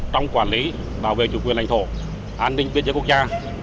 trong quản lý bảo vệ chủ quyền lãnh thổ an ninh biên giới quốc gia